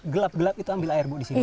gelap gelap itu ambil air ibu disini